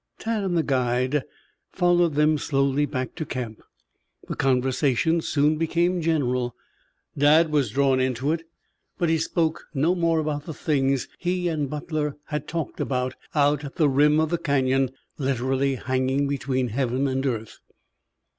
Tad and the guide followed them slowly back to camp. The conversation soon became general. Dad was drawn into it, but he spoke no more about the things he and Butler had talked of out on the rim of the Canyon, literally hanging between heaven and earth.